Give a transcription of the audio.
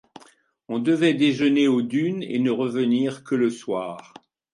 On devait déjeuner aux dunes et ne revenir que le soir.